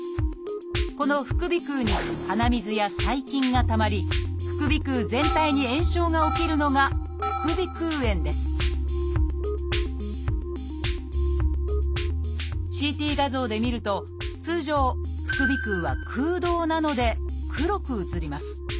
この副鼻腔に鼻水や細菌がたまり副鼻腔全体に炎症が起きるのが副鼻腔炎ですＣＴ画像で見ると通常副鼻腔は空洞なので黒く写ります。